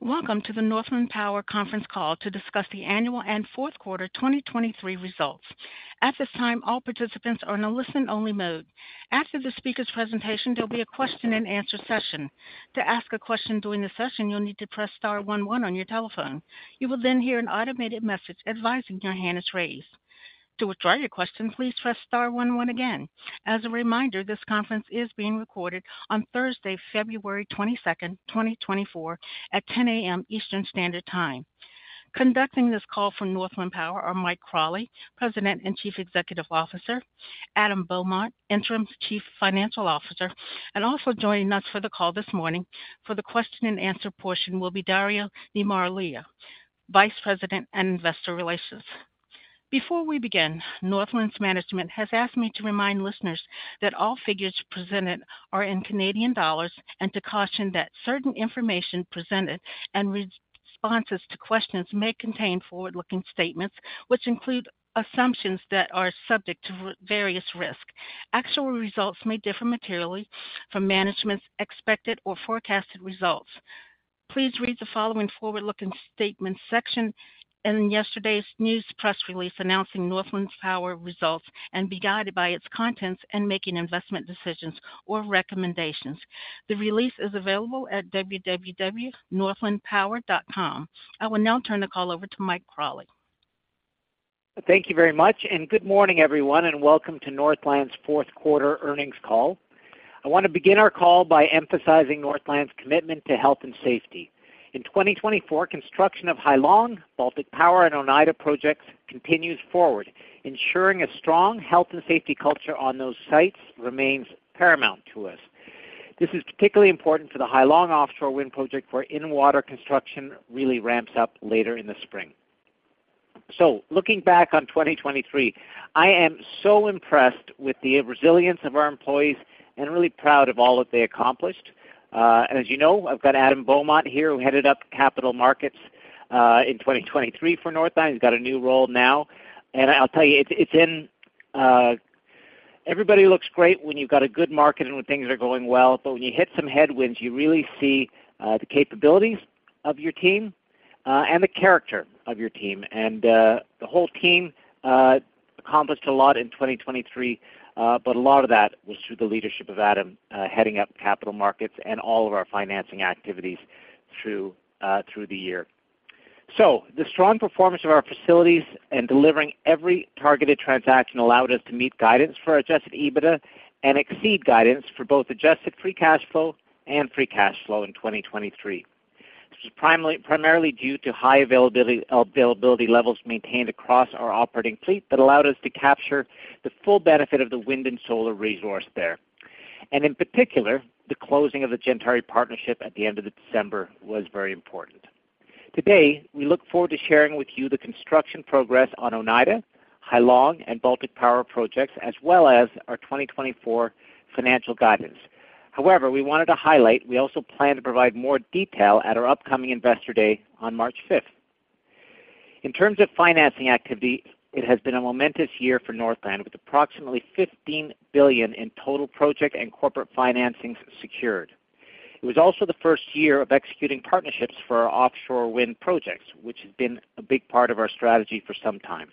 Welcome to the Northland Power conference call to discuss the annual and fourth quarter 2023 results. At this time, all participants are in a listen-only mode. After the speaker's presentation, there'll be a question-and-answer session. To ask a question during the session, you'll need to press star 11 on your telephone. You will then hear an automated message advising your hand is raised. To withdraw your question, please press star 11 again. As a reminder, this conference is being recorded on Thursday, February 22, 2024, at 10:00 A.M. Eastern Standard Time. Conducting this call from Northland Power are Mike Crawley, President and Chief Executive Officer; Adam Beaumont, Interim Chief Financial Officer, and also joining us for the call this morning for the question-and-answer portion will be Dario Neimarlija, Vice President and Investor Relations. Before we begin, Northland's management has asked me to remind listeners that all figures presented are in Canadian dollars and to caution that certain information presented and responses to questions may contain forward-looking statements which include assumptions that are subject to various risks. Actual results may differ materially from management's expected or forecasted results. Please read the forward-looking statements section in yesterday's press release announcing Northland Power results and be guided by its contents in making investment decisions or recommendations. The release is available at www.northlandpower.com. I will now turn the call over to Mike Crawley. Thank you very much, and good morning, everyone, and welcome to Northland's fourth quarter earnings call. I want to begin our call by emphasizing Northland's commitment to health and safety. In 2024, construction of Hai Long, Baltic Power, and Oneida projects continues forward. Ensuring a strong health and safety culture on those sites remains paramount to us. This is particularly important for the Hai Long offshore wind project where in-water construction really ramps up later in the spring. So looking back on 2023, I am so impressed with the resilience of our employees and really proud of all that they accomplished. As you know, I've got Adam Beaumont here who headed up capital markets in 2023 for Northland. He's got a new role now. I'll tell you, it's when everybody looks great when you've got a good market and when things are going well, but when you hit some headwinds, you really see the capabilities of your team and the character of your team. The whole team accomplished a lot in 2023, but a lot of that was through the leadership of Adam heading up capital markets and all of our financing activities through the year. The strong performance of our facilities and delivering every targeted transaction allowed us to meet guidance for Adjusted EBITDA and exceed guidance for both Adjusted Free Cash Flow and Free Cash Flow in 2023. This was primarily due to high availability levels maintained across our operating fleet that allowed us to capture the full benefit of the wind and solar resource there. In particular, the closing of the Gentari partnership at the end of December was very important. Today, we look forward to sharing with you the construction progress on Oneida, Hai Long, and Baltic Power projects, as well as our 2024 financial guidance. However, we wanted to highlight we also plan to provide more detail at our upcoming Investor Day on March 5th. In terms of financing activity, it has been a momentous year for Northland with approximately $15 billion in total project and corporate financings secured. It was also the first year of executing partnerships for our offshore wind projects, which has been a big part of our strategy for some time.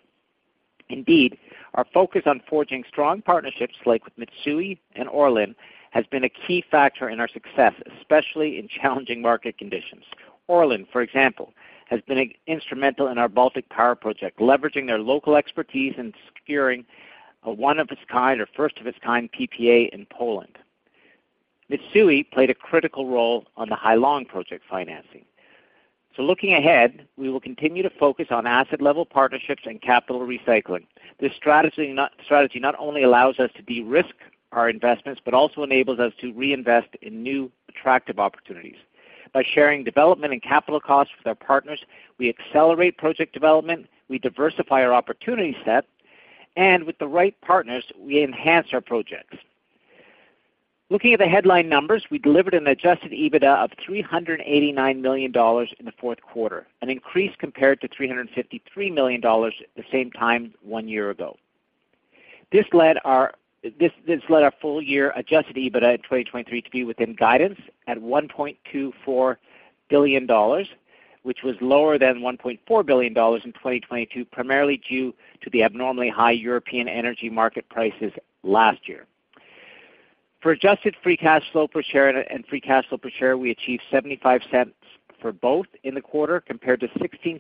Indeed, our focus on forging strong partnerships like with Mitsui and ORLEN has been a key factor in our success, especially in challenging market conditions. ORLEN, for example, has been instrumental in our Baltic Power project, leveraging their local expertise in securing one of its kind or first of its kind PPA in Poland. Mitsui played a critical role on the Hai Long project financing. So looking ahead, we will continue to focus on asset-level partnerships and capital recycling. This strategy not only allows us to de-risk our investments but also enables us to reinvest in new attractive opportunities. By sharing development and capital costs with our partners, we accelerate project development, we diversify our opportunity set, and with the right partners, we enhance our projects. Looking at the headline numbers, we delivered an Adjusted EBITDA of 389 million dollars in the fourth quarter, an increase compared to 353 million dollars at the same time one year ago. This led our full-year Adjusted EBITDA in 2023 to be within guidance at 1.24 billion dollars, which was lower than 1.4 billion dollars in 2022, primarily due to the abnormally high European energy market prices last year. For adjusted free cash flow per share and free cash flow per share, we achieved 0.75 for both in the quarter compared to 0.16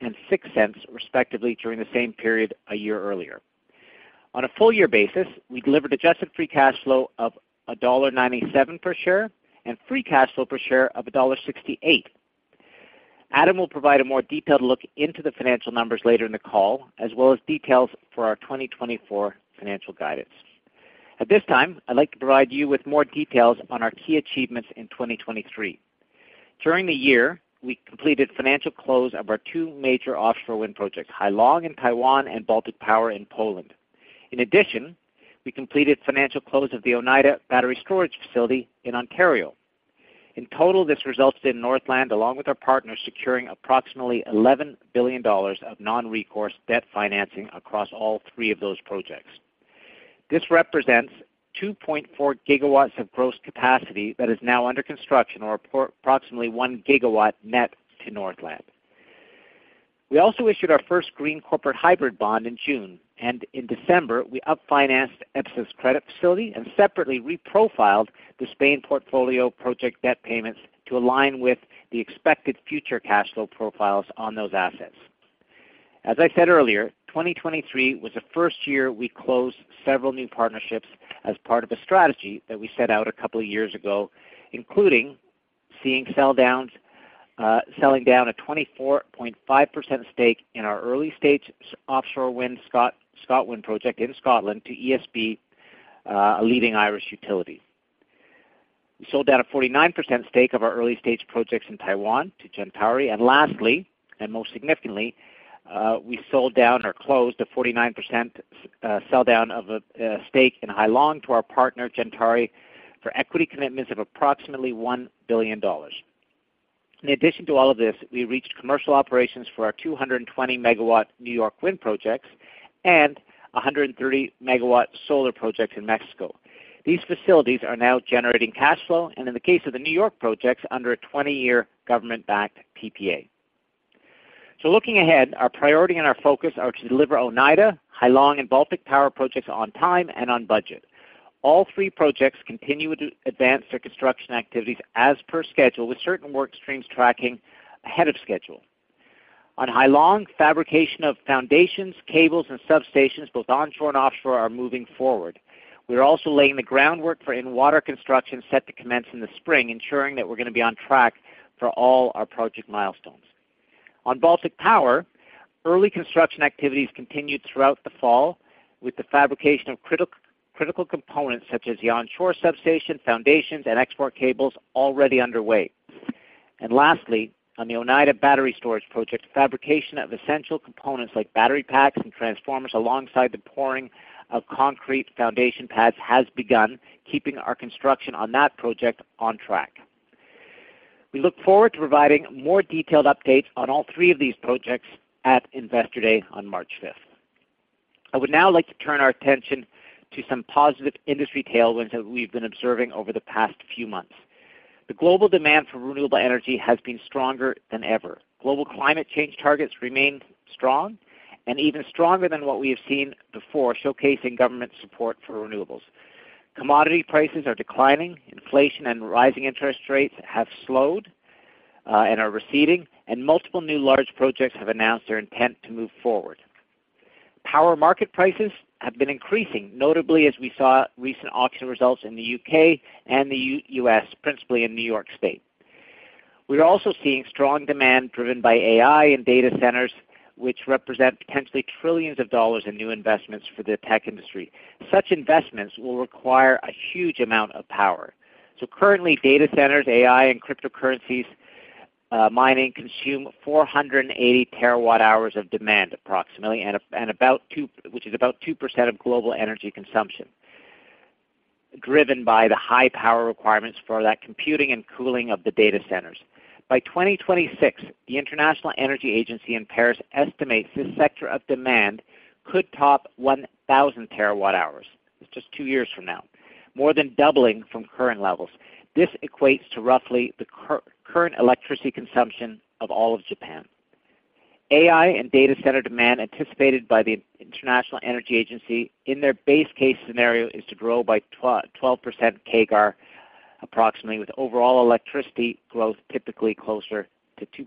and 0.06 respectively during the same period a year earlier. On a full-year basis, we delivered adjusted free cash flow of dollar 1.97 per share and free cash flow per share of dollar 1.68. Adam will provide a more detailed look into the financial numbers later in the call, as well as details for our 2024 financial guidance. At this time, I'd like to provide you with more details on our key achievements in 2023. During the year, we completed financial close of our two major offshore wind projects, Hai Long in Taiwan and Baltic Power in Poland. In addition, we completed financial close of the Oneida battery storage project in Ontario. In total, this resulted in Northland, along with our partners, securing approximately 11 billion dollars of non-recourse debt financing across all three of those projects. This represents 2.4 GW of gross capacity that is now under construction or approximately 1 GW net to Northland. We also issued our first green corporate hybrid bond in June, and in December, we upfinanced EBSA credit facility and separately reprofiled the Spain portfolio project debt payments to align with the expected future cash flow profiles on those assets. As I said earlier, 2023 was the first year we closed several new partnerships as part of a strategy that we set out a couple of years ago, including selling down a 24.5% stake in our early-stage offshore wind project in Scotland to ESB, a leading Irish utility. We sold down a 49% stake of our early-stage projects in Taiwan to Gentari. And lastly, and most significantly, we sold down or closed a 49% sell-down of a stake in Hai Long to our partner Gentari for equity commitments of approximately $1 billion. In addition to all of this, we reached commercial operations for our 220-MW New York wind projects and 130-MW solar projects in Mexico. These facilities are now generating cash flow, and in the case of the New York projects, under a 20-year government-backed PPA. Looking ahead, our priority and our focus are to deliver Oneida, Hai Long, and Baltic Power projects on time and on budget. All three projects continue to advance their construction activities as per schedule, with certain work streams tracking ahead of schedule. On Hai Long, fabrication of foundations, cables, and substations, both onshore and offshore, are moving forward. We are also laying the groundwork for in-water construction set to commence in the spring, ensuring that we're going to be on track for all our project milestones. On Baltic Power, early construction activities continued throughout the fall, with the fabrication of critical components such as the onshore substation, foundations, and export cables already underway. And lastly, on the Oneida battery storage project, fabrication of essential components like battery packs and transformers alongside the pouring of concrete foundation pads has begun, keeping our construction on that project on track. We look forward to providing more detailed updates on all three of these projects at Investor Day on March 5th. I would now like to turn our attention to some positive industry tailwinds that we've been observing over the past few months. The global demand for renewable energy has been stronger than ever. Global climate change targets remain strong and even stronger than what we have seen before, showcasing government support for renewables. Commodity prices are declining, inflation and rising interest rates have slowed and are receding, and multiple new large projects have announced their intent to move forward. Power market prices have been increasing, notably as we saw recent auction results in the U.K. and the U.S., principally in New York State. We are also seeing strong demand driven by AI and data centers, which represent potentially trillions of dollars in new investments for the tech industry. Such investments will require a huge amount of power. So currently, data centers, AI, and cryptocurrencies mining consume 480 TWh of demand approximately, which is about 2% of global energy consumption, driven by the high power requirements for that computing and cooling of the data centers. By 2026, the International Energy Agency in Paris estimates this sector of demand could top 1,000 TWh. It's just two years from now, more than doubling from current levels. This equates to roughly the current electricity consumption of all of Japan. AI and data center demand anticipated by the International Energy Agency in their base case scenario is to grow by 12% CAGR approximately, with overall electricity growth typically closer to 2%.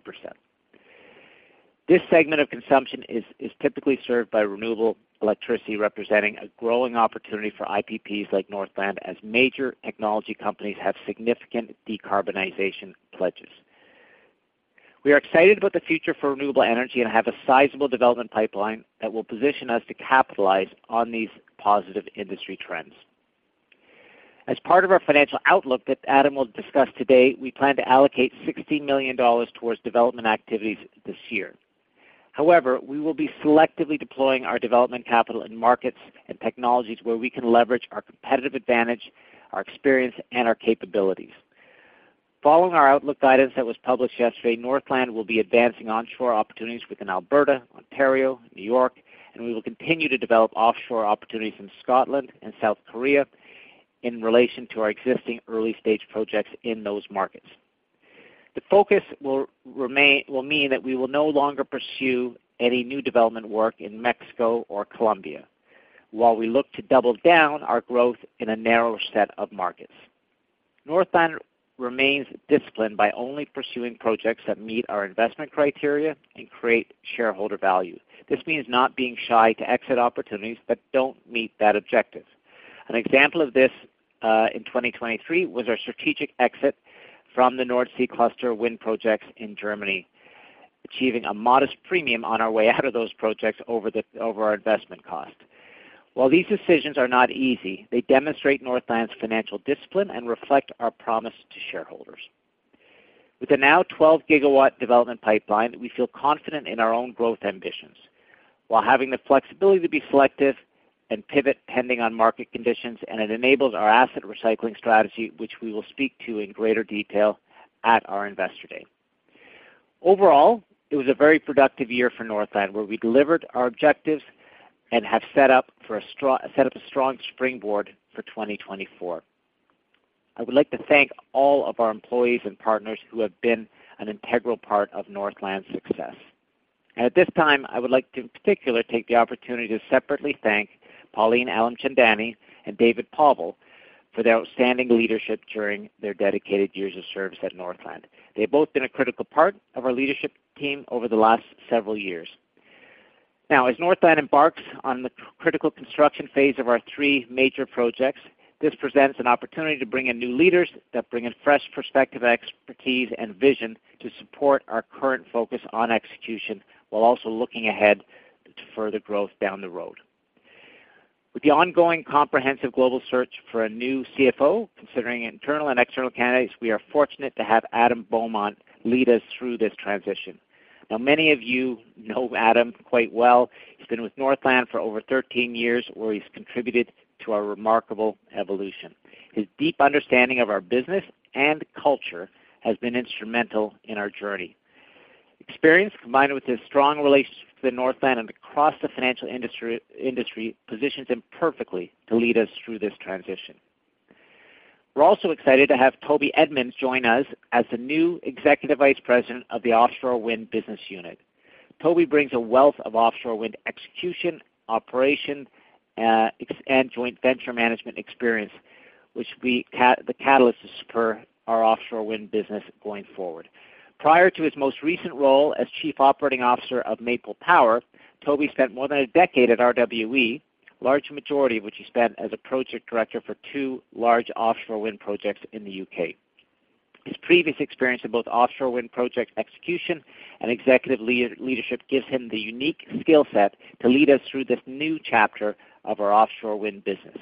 This segment of consumption is typically served by renewable electricity, representing a growing opportunity for IPPs like Northland as major technology companies have significant decarbonization pledges. We are excited about the future for renewable energy and have a sizable development pipeline that will position us to capitalize on these positive industry trends. As part of our financial outlook that Adam will discuss today, we plan to allocate 60 million dollars towards development activities this year. However, we will be selectively deploying our development capital in markets and technologies where we can leverage our competitive advantage, our experience, and our capabilities. Following our outlook guidance that was published yesterday, Northland will be advancing onshore opportunities within Alberta, Ontario, New York, and we will continue to develop offshore opportunities in Scotland and South Korea in relation to our existing early-stage projects in those markets. The focus will mean that we will no longer pursue any new development work in Mexico or Colombia while we look to double down our growth in a narrower set of markets. Northland remains disciplined by only pursuing projects that meet our investment criteria and create shareholder value. This means not being shy to exit opportunities that don't meet that objective. An example of this in 2023 was our strategic exit from the Nordsee Cluster wind projects in Germany, achieving a modest premium on our way out of those projects over our investment cost. While these decisions are not easy, they demonstrate Northland's financial discipline and reflect our promise to shareholders. With a now 12 GW development pipeline, we feel confident in our own growth ambitions while having the flexibility to be selective and pivot pending on market conditions, and it enables our asset recycling strategy, which we will speak to in greater detail at our Investor Day. Overall, it was a very productive year for Northland, where we delivered our objectives and have set up a strong springboard for 2024. I would like to thank all of our employees and partners who have been an integral part of Northland's success. At this time, I would like to, in particular, take the opportunity to separately thank Pauline Alimchandani and David Povall for their outstanding leadership during their dedicated years of service at Northland. They have both been a critical part of our leadership team over the last several years. Now, as Northland embarks on the critical construction phase of our three major projects, this presents an opportunity to bring in new leaders that bring in fresh perspective, expertise, and vision to support our current focus on execution while also looking ahead to further growth down the road. With the ongoing comprehensive global search for a new CFO, considering internal and external candidates, we are fortunate to have Adam Beaumont lead us through this transition. Now, many of you know Adam quite well. He's been with Northland for over 13 years, where he's contributed to our remarkable evolution. His deep understanding of our business and culture has been instrumental in our journey. Experience combined with his strong relationship with Northland and across the financial industry positions him perfectly to lead us through this transition. We're also excited to have Toby Edmonds join us as the new executive vice president of the Offshore Wind Business Unit. Toby brings a wealth of offshore wind execution, operation, and joint venture management experience, which is the catalyst to support our offshore wind business going forward. Prior to his most recent role as chief operating officer of Maple Power, Toby spent more than a decade at RWE, large majority of which he spent as a project director for 2 large offshore wind projects in the U.K. His previous experience in both offshore wind project execution and executive leadership gives him the unique skill set to lead us through this new chapter of our offshore wind business.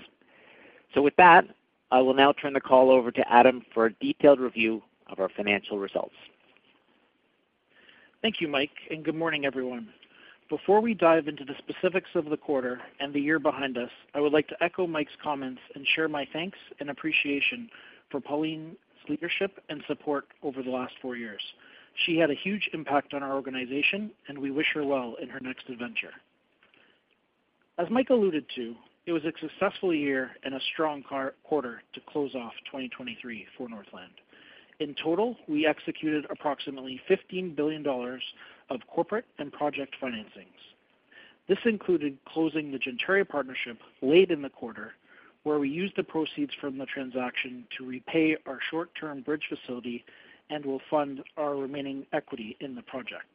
So with that, I will now turn the call over to Adam for a detailed review of our financial results. Thank you, Mike, and good morning, everyone. Before we dive into the specifics of the quarter and the year behind us, I would like to echo Mike's comments and share my thanks and appreciation for Pauline's leadership and support over the last four years. She had a huge impact on our organization, and we wish her well in her next adventure. As Mike alluded to, it was a successful year and a strong quarter to close off 2023 for Northland. In total, we executed approximately 15 billion dollars of corporate and project financings. This included closing the Gentari partnership late in the quarter, where we used the proceeds from the transaction to repay our short-term bridge facility and will fund our remaining equity in the project.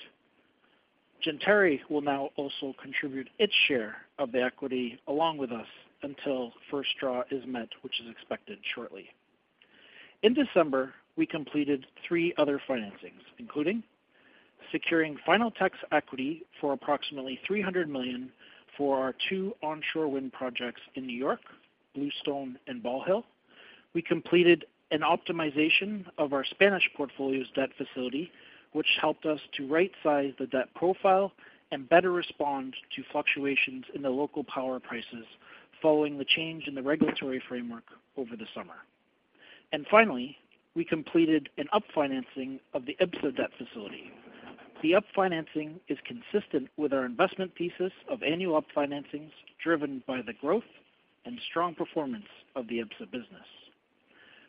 Gentari will now also contribute its share of the equity along with us until first draw is met, which is expected shortly. In December, we completed three other financings, including securing final tax equity for approximately $300 million for our two onshore wind projects in New York, Bluestone, and Ball Hill. We completed an optimization of our Spanish portfolio's debt facility, which helped us to right-size the debt profile and better respond to fluctuations in the local power prices following the change in the regulatory framework over the summer. Finally, we completed an upfinancing of the EBSA debt facility. The upfinancing is consistent with our investment thesis of annual upfinancings driven by the growth and strong performance of the EBSA business.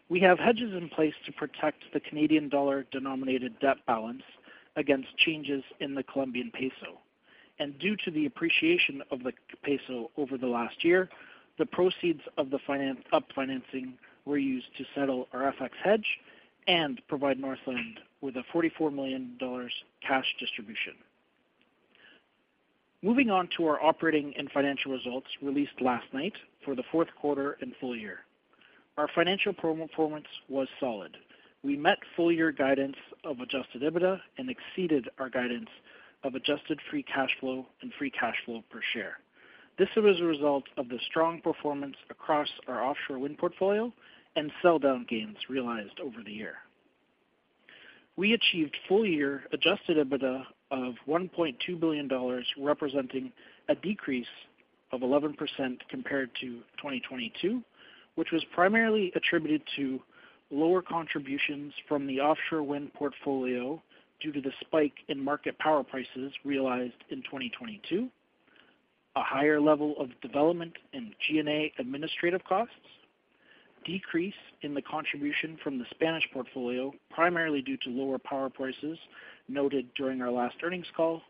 We have hedges in place to protect the Canadian dollar-denominated debt balance against changes in the Colombian peso. Due to the appreciation of the peso over the last year, the proceeds of the refinancing were used to settle our FX hedge and provide Northland with a $44 million cash distribution. Moving on to our operating and financial results released last night for the fourth quarter and full year. Our financial performance was solid. We met full-year guidance of Adjusted EBITDA and exceeded our guidance of Adjusted Free Cash Flow and free cash flow per share. This was a result of the strong performance across our offshore wind portfolio and sell-down gains realized over the year. We achieved full-year Adjusted EBITDA of 1.2 billion dollars, representing a decrease of 11% compared to 2022, which was primarily attributed to lower contributions from the offshore wind portfolio due to the spike in market power prices realized in 2022, a higher level of development and G&A administrative costs, a decrease in the contribution from the Spanish portfolio primarily due to lower power prices noted during our last earnings call,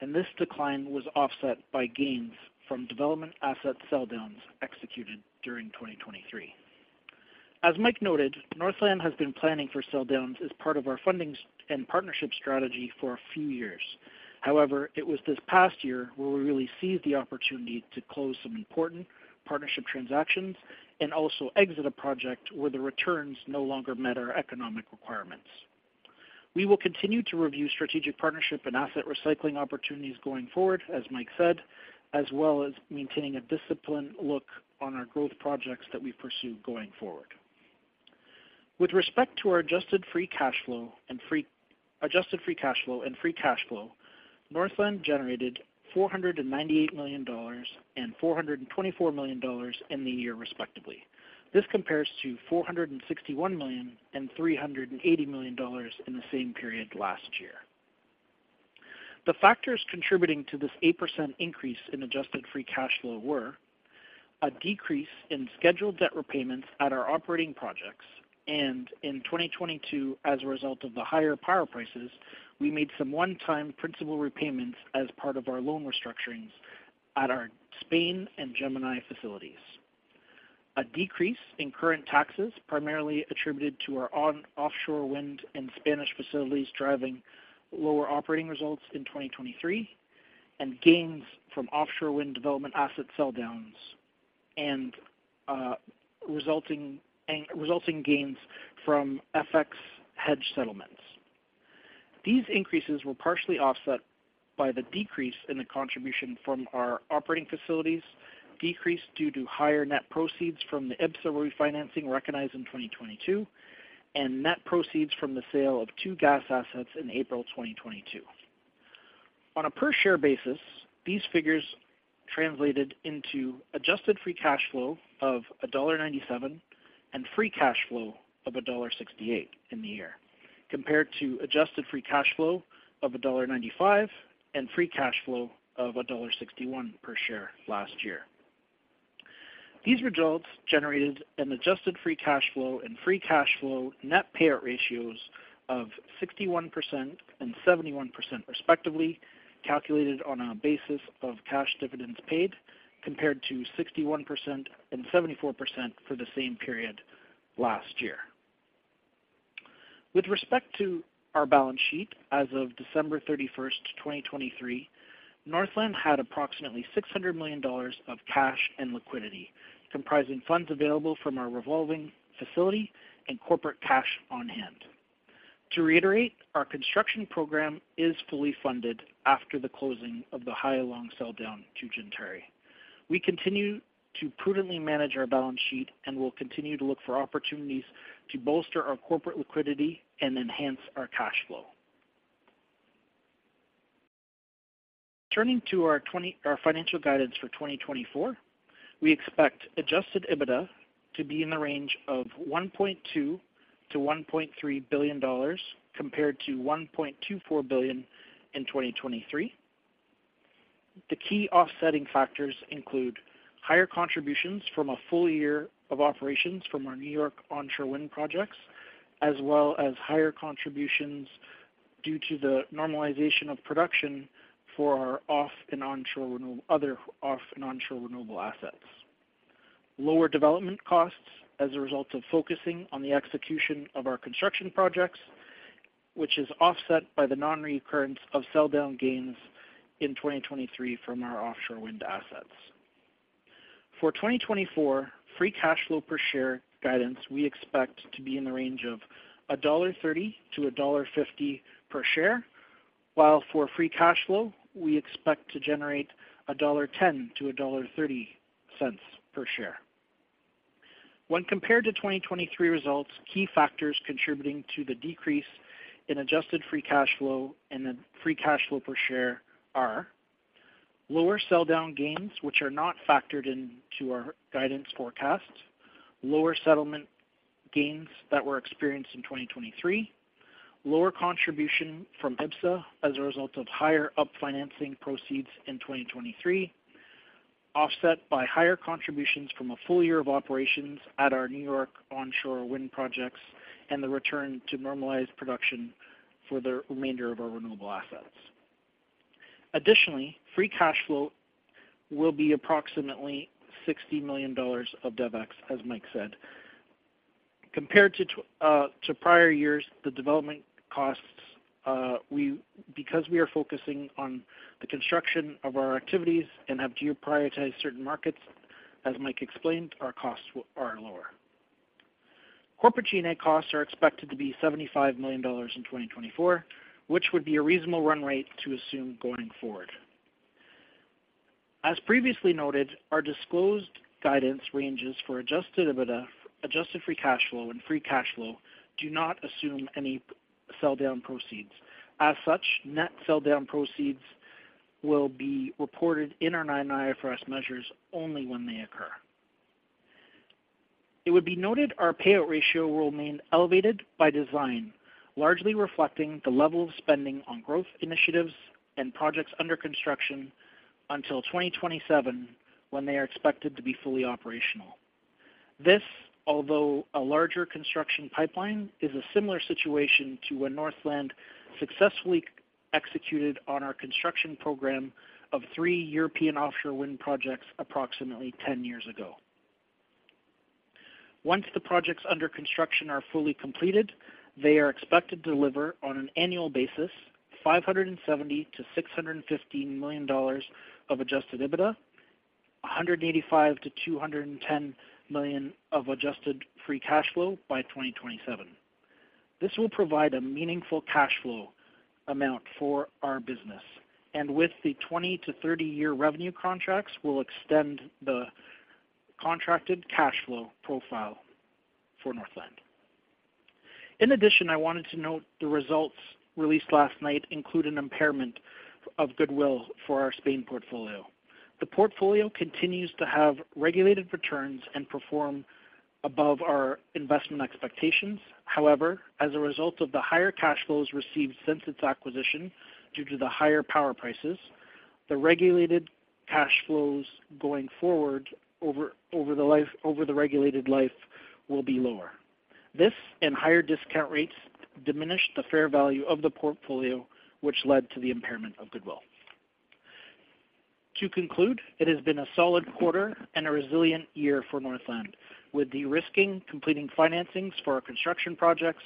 and this decline was offset by gains from development asset sell-downs executed during 2023. As Mike noted, Northland has been planning for sell-downs as part of our funding and partnership strategy for a few years. However, it was this past year where we really seized the opportunity to close some important partnership transactions and also exit a project where the returns no longer met our economic requirements. We will continue to review strategic partnership and asset recycling opportunities going forward, as Mike said, as well as maintaining a disciplined look on our growth projects that we pursue going forward. With respect to our Adjusted Free Cash Flow and free Adjusted Free Cash Flow and Free Cash Flow, Northland generated 498 million dollars and 424 million dollars in the year, respectively. This compares to 461 million and 380 million dollars in the same period last year. The factors contributing to this 8% increase in Adjusted Free Cash Flow were a decrease in scheduled debt repayments at our operating projects, and in 2022, as a result of the higher power prices, we made some one-time principal repayments as part of our loan restructurings at our Spain and Gemini facilities. A decrease in current taxes, primarily attributed to our offshore wind and Spanish facilities, driving lower operating results in 2023, and gains from offshore wind development asset sell-downs and resulting gains from FX hedge settlements. These increases were partially offset by the decrease in the contribution from our operating facilities, decreased due to higher net proceeds from the EBSA refinancing recognized in 2022, and net proceeds from the sale of two gas assets in April 2022. On a per-share basis, these figures translated into adjusted free cash flow of dollar 1.97 and free cash flow of dollar 1.68 in the year, compared to adjusted free cash flow of dollar 1.95 and free cash flow of 1.61 dollar per share last year. These results generated an Adjusted Free Cash Flow and free cash flow net payout ratios of 61% and 71%, respectively, calculated on a basis of cash dividends paid, compared to 61% and 74% for the same period last year. With respect to our balance sheet as of December 31st, 2023, Northland had approximately 600 million dollars of cash and liquidity, comprising funds available from our revolving facility and corporate cash on hand. To reiterate, our construction program is fully funded after the closing of the Hai Long sell-down to Gentari. We continue to prudently manage our balance sheet and will continue to look for opportunities to bolster our corporate liquidity and enhance our cash flow. Turning to our financial guidance for 2024, we expect Adjusted EBITDA to be in the range of 1.2 billion-1.3 billion dollars, compared to 1.24 billion in 2023. The key offsetting factors include higher contributions from a full year of operations from our New York onshore wind projects, as well as higher contributions due to the normalization of production for our offshore and onshore renewable other offshore and onshore renewable assets. Lower development costs as a result of focusing on the execution of our construction projects, which is offset by the non-reoccurrence of sell-down gains in 2023 from our offshore wind assets. For 2024, free cash flow per share guidance, we expect to be in the range of 1.30-1.50 dollar per share, while for free cash flow, we expect to generate 1.10-1.30 dollar per share. When compared to 2023 results, key factors contributing to the decrease in Adjusted Free Cash Flow and Free Cash Flow per share are lower sell-down gains, which are not factored into our guidance forecast, lower settlement gains that were experienced in 2023, lower contribution from EPSI as a result of higher upfinancing proceeds in 2023, offset by higher contributions from a full year of operations at our New York onshore wind projects, and the return to normalized production for the remainder of our renewable assets. Additionally, Free Cash Flow will be approximately 60 million dollars of DevEx, as Mike said. Compared to prior years, the development costs, because we are focusing on the construction of our activities and have geoprioritized certain markets, as Mike explained, our costs are lower. Corporate G&A costs are expected to be 75 million dollars in 2024, which would be a reasonable run rate to assume going forward. As previously noted, our disclosed guidance ranges for Adjusted EBITDA, Adjusted Free Cash Flow, and Free Cash Flow do not assume any sell-down proceeds. As such, net sell-down proceeds will be reported in our IFRS measures only when they occur. It should be noted our payout ratio will remain elevated by design, largely reflecting the level of spending on growth initiatives and projects under construction until 2027, when they are expected to be fully operational. This, although a larger construction pipeline, is a similar situation to when Northland successfully executed on our construction program of three European offshore wind projects approximately 10 years ago. Once the projects under construction are fully completed, they are expected to deliver on an annual basis 570 million-615 million dollars of Adjusted EBITDA, 185 million-210 million of Adjusted Free Cash Flow by 2027. This will provide a meaningful cash flow amount for our business, and with the 20-30-year revenue contracts, will extend the contracted cash flow profile for Northland. In addition, I wanted to note the results released last night include an impairment of goodwill for our Spain portfolio. The portfolio continues to have regulated returns and perform above our investment expectations. However, as a result of the higher cash flows received since its acquisition due to the higher power prices, the regulated cash flows going forward over the regulated life will be lower. This and higher discount rates diminish the fair value of the portfolio, which led to the impairment of goodwill. To conclude, it has been a solid quarter and a resilient year for Northland, with successfully completing financings for our construction projects,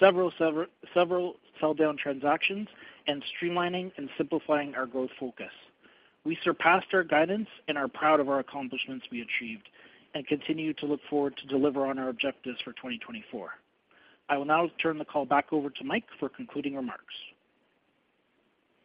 several sell-down transactions, and streamlining and simplifying our growth focus. We surpassed our guidance and are proud of our accomplishments we achieved, and continue to look forward to deliver on our objectives for 2024. I will now turn the call back over to Mike for concluding remarks.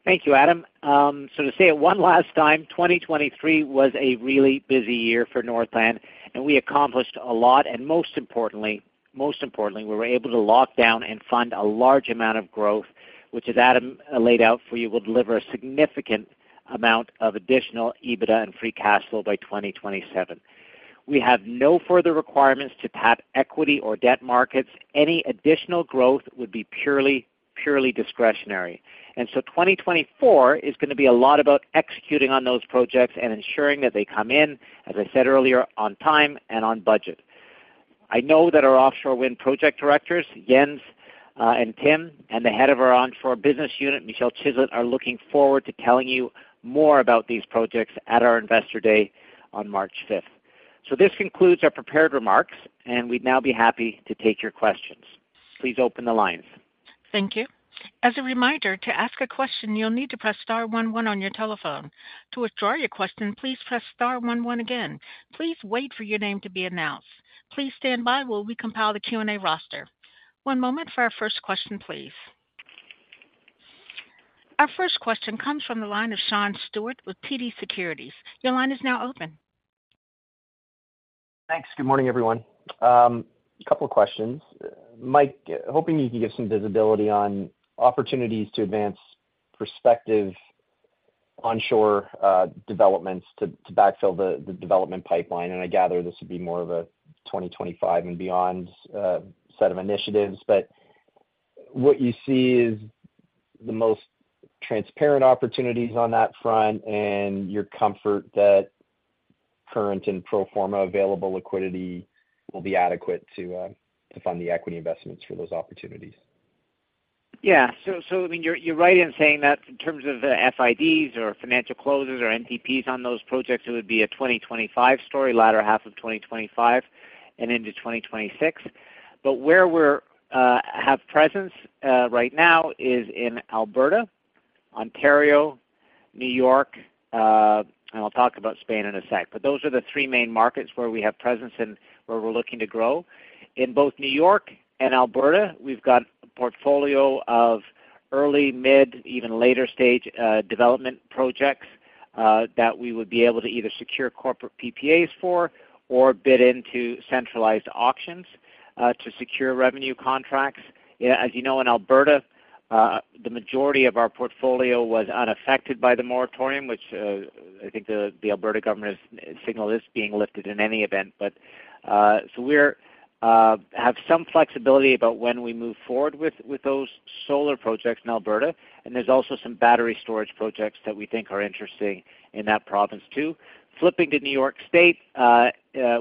Thank you, Adam. So to say it one last time, 2023 was a really busy year for Northland, and we accomplished a lot. And most importantly, we were able to lock down and fund a large amount of growth, which, as Adam laid out for you, will deliver a significant amount of additional EBITDA and free cash flow by 2027. We have no further requirements to tap equity or debt markets. Any additional growth would be purely discretionary. And so 2024 is going to be a lot about executing on those projects and ensuring that they come in, as I said earlier, on time and on budget. I know that our offshore wind project directors, Jens and Tim, and the head of our onshore business unit, Michelle Chislett, are looking forward to telling you more about these projects at our investor day on March 5th. This concludes our prepared remarks, and we'd now be happy to take your questions. Please open the lines. Thank you. As a reminder, to ask a question, you'll need to press star 11 on your telephone. To withdraw your question, please press star 11 again. Please wait for your name to be announced. Please stand by while we compile the Q&A roster. One moment for our first question, please. Our first question comes from the line of Sean Steuart with TD Securities. Your line is now open. Thanks. Good morning, everyone. A couple of questions. Mike, hoping you can give some visibility on opportunities to advance prospective onshore developments to backfill the development pipeline. And I gather this would be more of a 2025 and beyond set of initiatives, but what you see is the most transparent opportunities on that front and your comfort that current and pro forma available liquidity will be adequate to fund the equity investments for those opportunities. Yeah. So I mean, you're right in saying that in terms of the FIDs or financial closes or NTPs on those projects, it would be a 2025 story, latter half of 2025, and into 2026. But where we have presence right now is in Alberta, Ontario, New York, and I'll talk about Spain in a sec, but those are the three main markets where we have presence and where we're looking to grow. In both New York and Alberta, we've got a portfolio of early, mid, even later stage development projects that we would be able to either secure corporate PPAs for or bid into centralized auctions to secure revenue contracts. As you know, in Alberta, the majority of our portfolio was unaffected by the moratorium, which I think the Alberta government has signaled is being lifted in any event. So we have some flexibility about when we move forward with those solar projects in Alberta, and there's also some battery storage projects that we think are interesting in that province too. Flipping to New York State,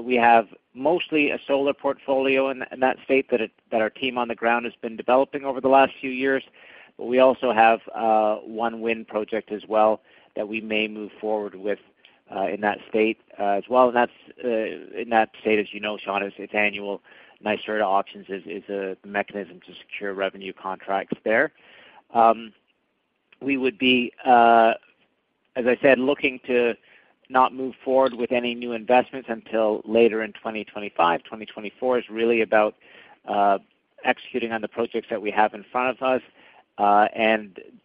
we have mostly a solar portfolio in that state that our team on the ground has been developing over the last few years, but we also have one wind project as well that we may move forward with in that state as well. And that's in that state, as you know, Sean, it's annual. NYSERDA auctions is a mechanism to secure revenue contracts there. We would be, as I said, looking to not move forward with any new investments until later in 2025. 2024 is really about executing on the projects that we have in front of us.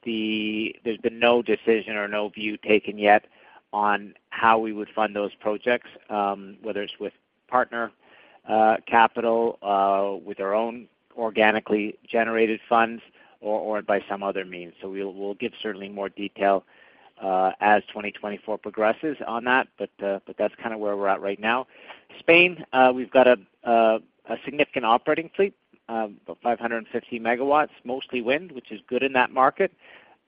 There's been no decision or no view taken yet on how we would fund those projects, whether it's with partner capital, with our own organically generated funds, or by some other means. So we'll give certainly more detail as 2024 progresses on that, but that's kind of where we're at right now. Spain, we've got a significant operating fleet, about 550 MW, mostly wind, which is good in that market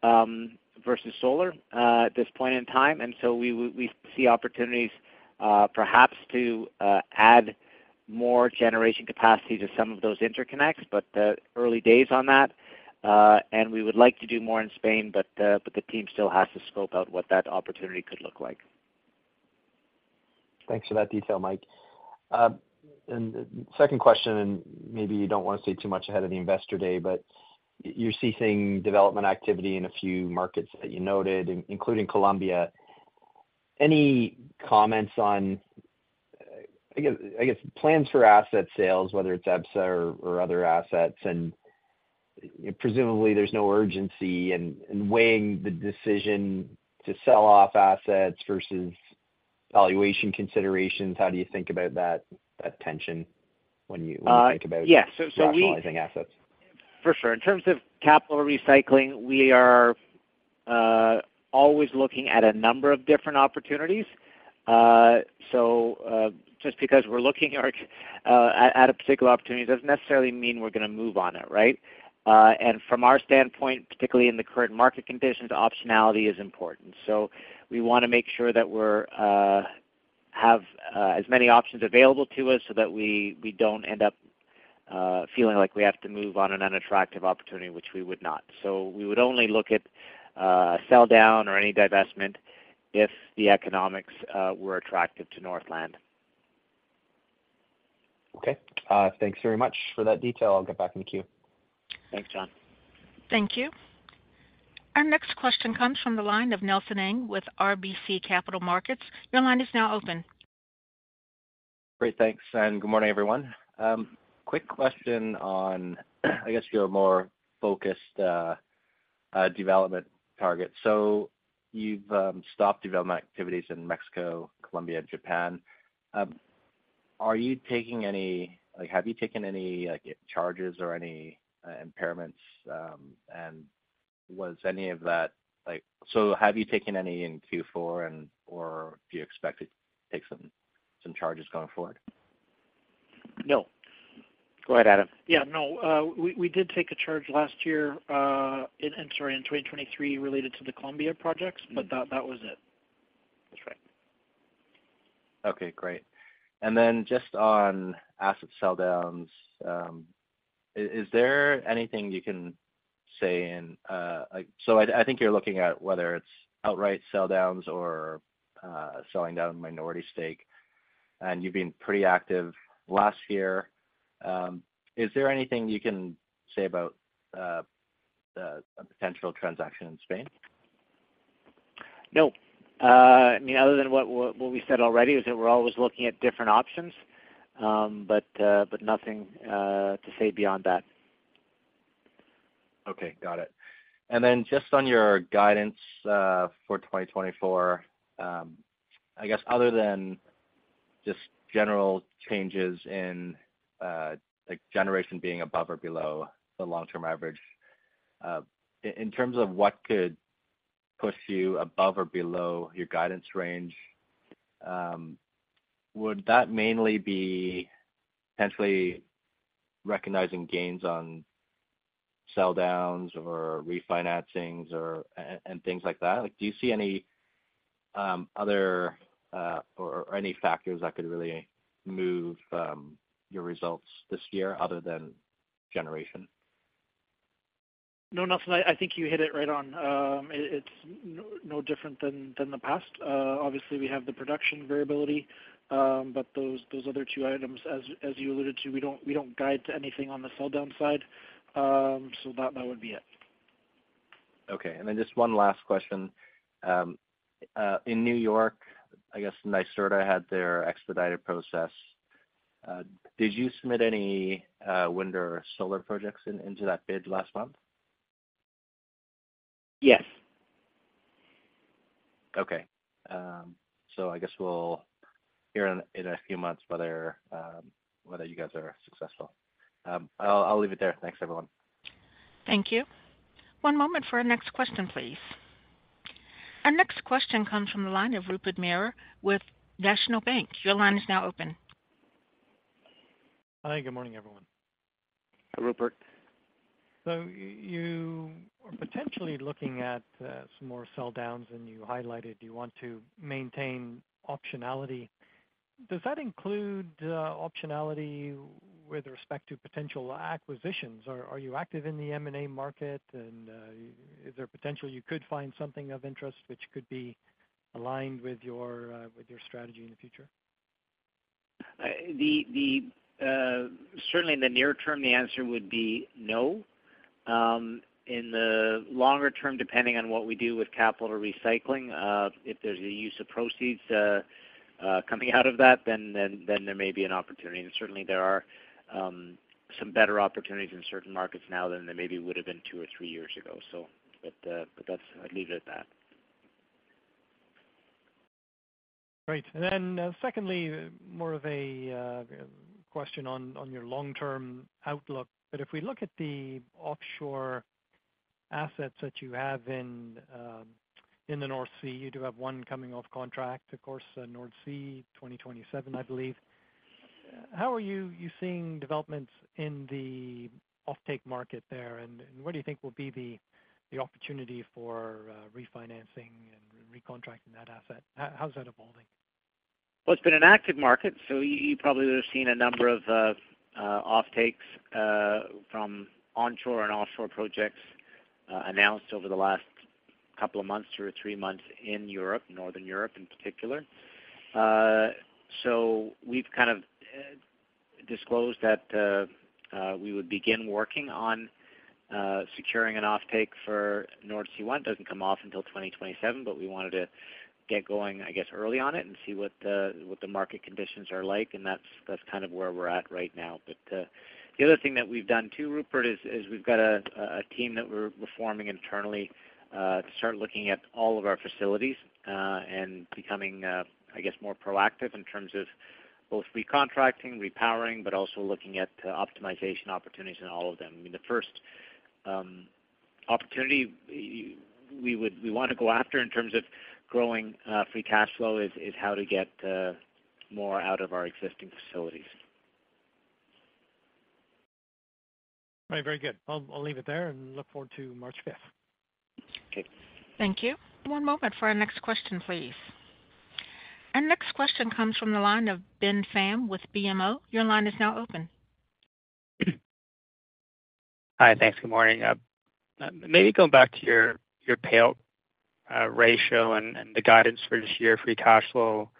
versus solar at this point in time. So we see opportunities perhaps to add more generation capacity to some of those interconnects, but early days on that. We would like to do more in Spain, but the team still has to scope out what that opportunity could look like. Thanks for that detail, Mike. Second question, and maybe you don't want to say too much ahead of the investor day, but you're seeing development activity in a few markets that you noted, including Colombia. Any comments on, I guess, plans for asset sales, whether it's EBSA or other assets? And presumably, there's no urgency in weighing the decision to sell off assets versus valuation considerations. How do you think about that tension when you think about capitalizing assets? Yeah. So we. For sure. In terms of capital recycling, we are always looking at a number of different opportunities. So just because we're looking at a particular opportunity doesn't necessarily mean we're going to move on it, right? And from our standpoint, particularly in the current market conditions, optionality is important. So we want to make sure that we have as many options available to us so that we don't end up feeling like we have to move on an unattractive opportunity, which we would not. So we would only look at sell-down or any divestment if the economics were attractive to Northland. Okay. Thanks very much for that detail. I'll get back in the queue. Thanks, Sean. Thank you. Our next question comes from the line of Nelson Ng with RBC Capital Markets. Your line is now open. Great. Thanks. Good morning, everyone. Quick question on, I guess, your more focused development target. So you've stopped development activities in Mexico, Colombia, and Japan. Have you taken any charges or any impairments? And was any of that, so have you taken any in Q4, or do you expect to take some charges going forward? No. Go ahead, Adam. Yeah. No. We did take a charge last year and, sorry, in 2023 related to the Colombia projects, but that was it. That's right. Okay. Great. And then just on asset sell-downs, is there anything you can say in so I think you're looking at whether it's outright sell-downs or selling down minority stake, and you've been pretty active last year. Is there anything you can say about a potential transaction in Spain? No. I mean, other than what we said already, is that we're always looking at different options, but nothing to say beyond that. Okay. Got it. And then just on your guidance for 2024, I guess, other than just general changes in generation being above or below the long-term average, in terms of what could push you above or below your guidance range, would that mainly be potentially recognizing gains on sell-downs or refinancings and things like that? Do you see any other or any factors that could really move your results this year other than generation? No, Nelson. I think you hit it right on. It's no different than the past. Obviously, we have the production variability, but those other two items, as you alluded to, we don't guide to anything on the sell-down side. So that would be it. Okay. And then just one last question. In New York, I guess NYSERDA had their expedited process. Did you submit any wind or solar projects into that bid last month? Yes. Okay. So I guess we'll hear in a few months whether you guys are successful. I'll leave it there. Thanks, everyone. Thank you. One moment for our next question, please. Our next question comes from the line of Rupert Merer with National Bank. Your line is now open. Hi. Good morning, everyone. Hi, Rupert. So you are potentially looking at some more sell-downs than you highlighted. You want to maintain optionality. Does that include optionality with respect to potential acquisitions? Are you active in the M&A market, and is there potential you could find something of interest which could be aligned with your strategy in the future? Certainly, in the near term, the answer would be no. In the longer term, depending on what we do with capital recycling, if there's a use of proceeds coming out of that, then there may be an opportunity. And certainly, there are some better opportunities in certain markets now than there maybe would have been two or three years ago, so. But I'd leave it at that. Great. And then secondly, more of a question on your long-term outlook. But if we look at the offshore assets that you have in the Nordsee, you do have one coming off contract, of course, Nordsee 2027, I believe. How are you seeing developments in the offtake market there, and what do you think will be the opportunity for refinancing and recontracting that asset? How's that evolving? Well, it's been an active market, so you probably have seen a number of offtakes from onshore and offshore projects announced over the last couple of months or three months in Europe, Northern Europe in particular. So we've kind of disclosed that we would begin working on securing an offtake for Nordsee One. It doesn't come off until 2027, but we wanted to get going, I guess, early on it and see what the market conditions are like. And that's kind of where we're at right now. But the other thing that we've done too, Rupert, is we've got a team that we're reforming internally to start looking at all of our facilities and becoming, I guess, more proactive in terms of both recontracting, repowering, but also looking at optimization opportunities in all of them. I mean, the first opportunity we want to go after in terms of growing free cash flow is how to get more out of our existing facilities. All right. Very good. I'll leave it there and look forward to March 5th. Okay. Thank you. One moment for our next question, please. Our next question comes from the line of Ben Pham with BMO. Your line is now open. Hi. Thanks. Good morning. Maybe going back to your payout ratio and the guidance for this year, free cash flow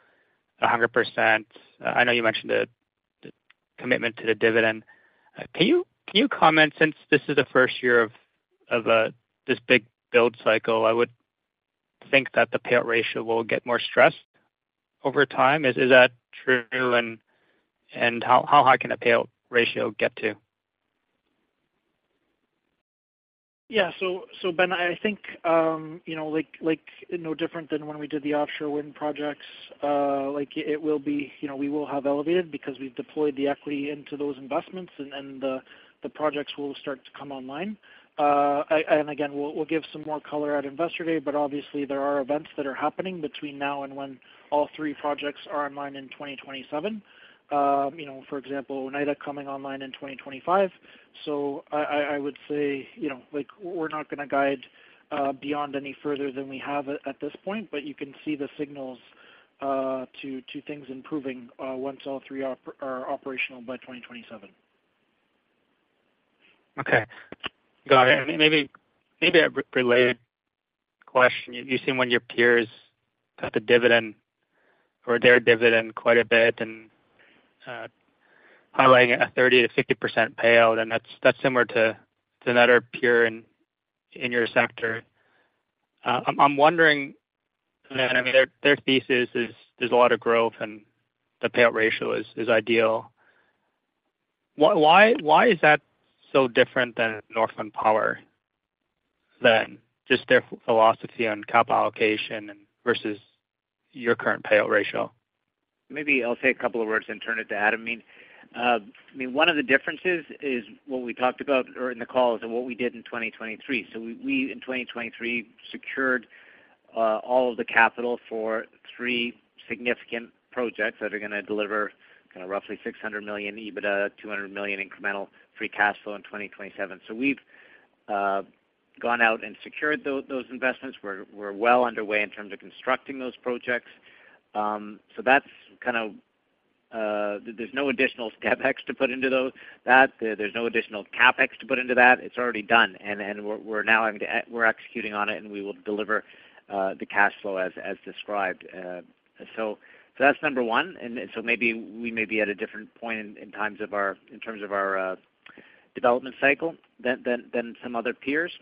100%. I know you mentioned the commitment to the dividend. Can you comment, since this is the first year of this big build cycle, I would think that the payout ratio will get more stressed over time. Is that true, and how high can a payout ratio get to? Yeah. So, Ben, I think like no different than when we did the offshore wind projects, it will be we will have elevated because we've deployed the equity into those investments, and the projects will start to come online. And again, we'll give some more color at investor day, but obviously, there are events that are happening between now and when all three projects are online in 2027. For example, Oneida coming online in 2025. So I would say we're not going to guide beyond any further than we have at this point, but you can see the signals to things improving once all three are operational by 2027. Okay. Got it. And maybe a related question. You've seen one of your peers cut the dividend or their dividend quite a bit and highlighting a 30%-50% payout, and that's similar to another peer in your sector. I'm wondering, Ben, I mean, their thesis is there's a lot of growth and the payout ratio is ideal. Why is that so different than Northland Power, then just their philosophy on capital allocation versus your current payout ratio? Maybe I'll say a couple of words and turn it to Adam. I mean, one of the differences is what we talked about in the call is what we did in 2023. So we, in 2023, secured all of the capital for 3 significant projects that are going to deliver kind of roughly 600 million EBITDA, 200 million incremental free cash flow in 2027. So we've gone out and secured those investments. We're well underway in terms of constructing those projects. So that's kind of. There's no additional step X to put into that. There's no additional CapEx to put into that. It's already done. And we're now executing on it, and we will deliver the cash flow as described. So that's number one. Maybe we may be at a different point in time in terms of our development cycle than some other peers,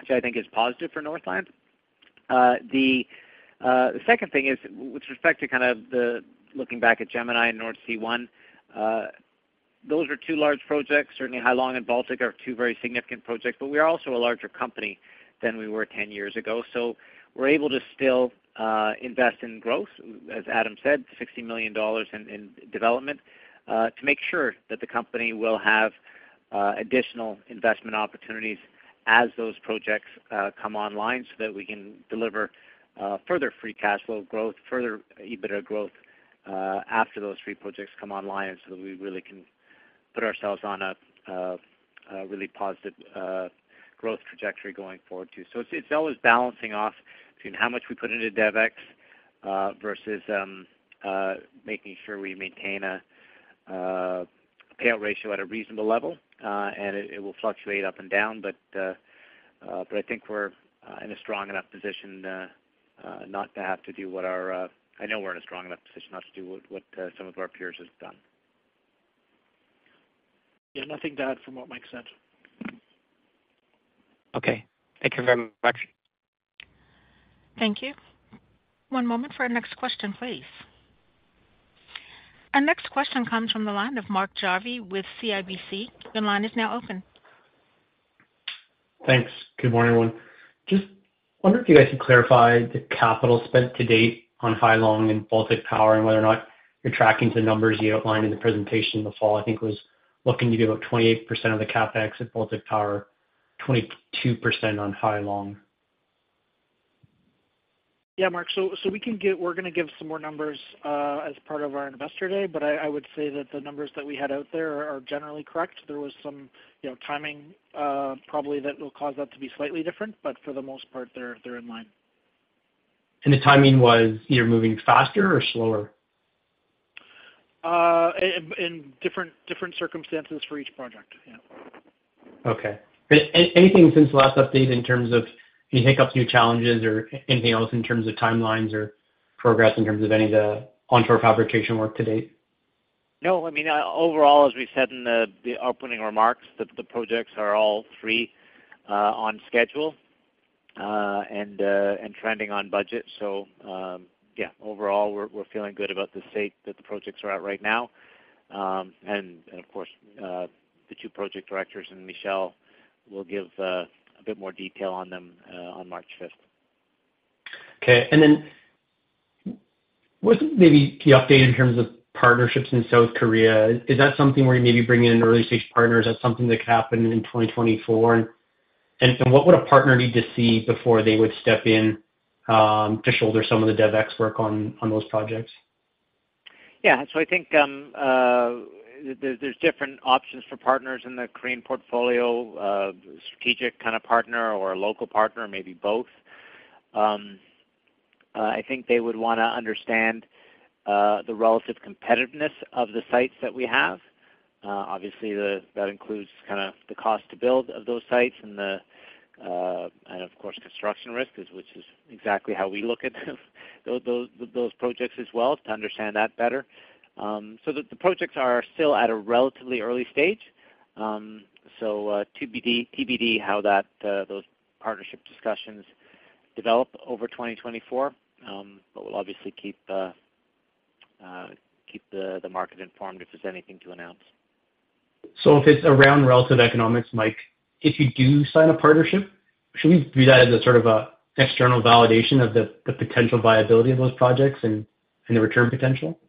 which I think is positive for Northland. The second thing is with respect to kind of looking back at Gemini and Nordsee One, those are two large projects. Certainly, Hai Long and Baltic are two very significant projects, but we are also a larger company than we were 10 years ago. So we're able to still invest in growth, as Adam said, CAD 60 million in development to make sure that the company will have additional investment opportunities as those projects come online so that we can deliver further free cash flow growth, further EBITDA growth after those 3 projects come online so that we really can put ourselves on a really positive growth trajectory going forward too. So it's always balancing off between how much we put into DevEx versus making sure we maintain a payout ratio at a reasonable level, and it will fluctuate up and down. But I think we're in a strong enough position not to have to do what our I know we're in a strong enough position not to do what some of our peers have done. Yeah. Nothing bad from what Mike said. Okay. Thank you very much. Thank you. One moment for our next question, please. Our next question comes from the line of Mark Jarvi with CIBC. Your line is now open. Thanks. Good morning, everyone. Just wondered if you guys could clarify the capital spent to date on Hai Long and Baltic Power and whether or not you're tracking the numbers you outlined in the presentation in the fall. I think it was looking to be about 28% of the CapEx at Baltic Power, 22% on Hai Long. Yeah, Mark. So, we're going to give some more numbers as part of our Investor Day, but I would say that the numbers that we had out there are generally correct. There was some timing probably that will cause that to be slightly different, but for the most part, they're in line. The timing was either moving faster or slower? In different circumstances for each project. Yeah. Okay. Great. Anything since the last update in terms of any hiccups, new challenges, or anything else in terms of timelines or progress in terms of any of the onshore fabrication work to date? No. I mean, overall, as we said in the opening remarks, the projects are all three on schedule and trending on budget. So yeah, overall, we're feeling good about the state that the projects are at right now. And of course, the two project directors and Michelle will give a bit more detail on them on March 5th. Okay. And then wasn't maybe the update in terms of partnerships in South Korea, is that something where you maybe bring in early-stage partners? Is that something that could happen in 2024? And what would a partner need to see before they would step in to shoulder some of the DevEx work on those projects? Yeah. So I think there's different options for partners in the Korean portfolio, strategic kind of partner or a local partner, maybe both. I think they would want to understand the relative competitiveness of the sites that we have. Obviously, that includes kind of the cost to build of those sites and, of course, construction risk, which is exactly how we look at those projects as well, to understand that better. So the projects are still at a relatively early stage. So TBD how those partnership discussions develop over 2024, but we'll obviously keep the market informed if there's anything to announce. If it's around relative economics, Mike, if you do sign a partnership, should we view that as sort of an external validation of the potential viability of those projects and the return potential? Yeah.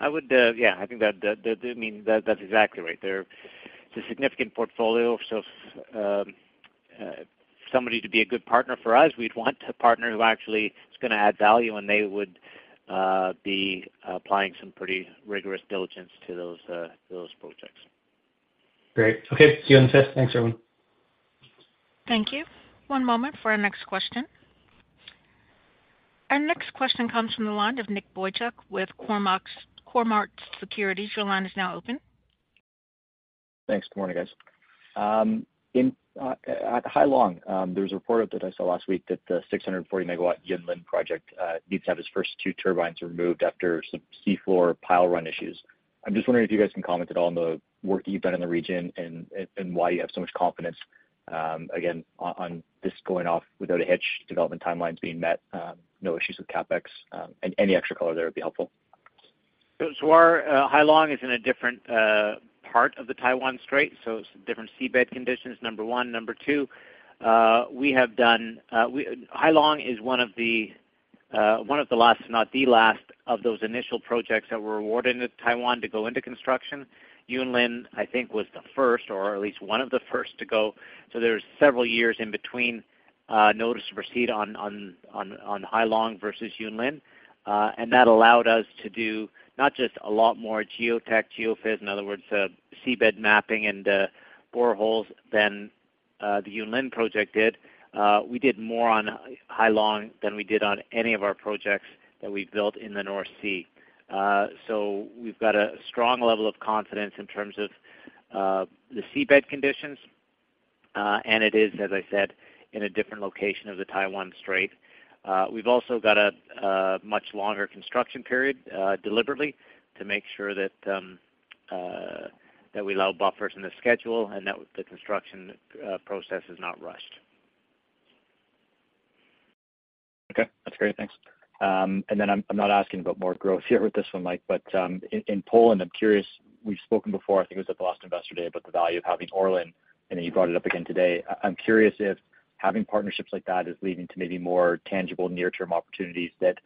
I think that, I mean, that's exactly right. It's a significant portfolio. So if somebody to be a good partner for us, we'd want a partner who actually is going to add value, and they would be applying some pretty rigorous diligence to those projects. Great. Okay. See you on the 5th. Thanks, everyone. Thank you. One moment for our next question. Our next question comes from the line of Nick Boychuk with Cormark Securities. Your line is now open. Thanks. Good morning, guys. At Hai Long, there was a report out that I saw last week that the 640 MW Yunlin project needs to have its first two turbines removed after some seafloor pile run issues. I'm just wondering if you guys can comment at all on the work that you've done in the region and why you have so much confidence, again, on this going off without a hitch, development timelines being met, no issues with CapEx, and any extra color there would be helpful. So our Hai Long is in a different part of the Taiwan Strait, so it's different seabed conditions, number one. Number two, we have done Hai Long is one of the last, if not the last, of those initial projects that were awarded in Taiwan to go into construction. Yunlin, I think, was the first or at least one of the first to go. So there's several years in between notice of receipt on Hai Long versus Yunlin. And that allowed us to do not just a lot more geotech, geophys, in other words, seabed mapping and boreholes than the Yunlin project did. We did more on Hai Long than we did on any of our projects that we've built in the North Sea. So we've got a strong level of confidence in terms of the seabed conditions, and it is, as I said, in a different location of the Taiwan Strait. We've also got a much longer construction period deliberately to make sure that we allow buffers in the schedule and that the construction process is not rushed. Okay. That's great. Thanks. And then I'm not asking about more growth here with this one, Mike, but in Poland, I'm curious we've spoken before. I think it was at the last investor day about the value of having ORLEN, and then you brought it up again today. I'm curious if having partnerships like that is leading to maybe more tangible near-term opportunities that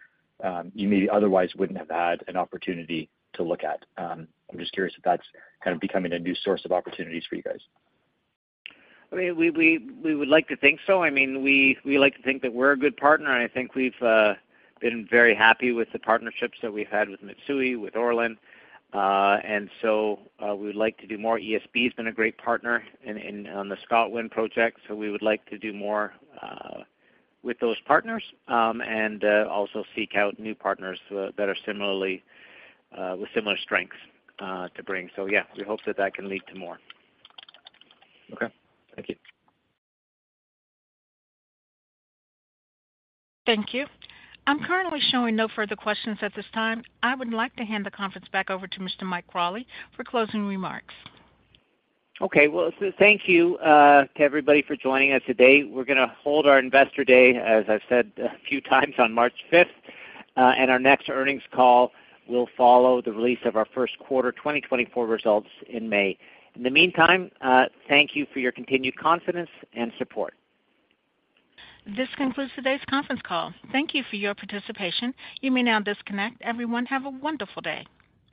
you maybe otherwise wouldn't have had an opportunity to look at. I'm just curious if that's kind of becoming a new source of opportunities for you guys. I mean, we would like to think so. I mean, we like to think that we're a good partner, and I think we've been very happy with the partnerships that we've had with Mitsui, with ORLEN. And so we would like to do more. ESB has been a great partner on the ScotWind project, so we would like to do more with those partners and also seek out new partners that are similarly with similar strengths to bring. So yeah, we hope that that can lead to more. Okay. Thank you. Thank you. I'm currently showing no further questions at this time. I would like to hand the conference back over to Mr. Mike Crawley for closing remarks. Okay. Well, thank you to everybody for joining us today. We're going to hold our investor day, as I've said a few times, on March 5th. Our next earnings call will follow the release of our first quarter 2024 results in May. In the meantime, thank you for your continued confidence and support. This concludes today's conference call. Thank you for your participation. You may now disconnect. Everyone, have a wonderful day.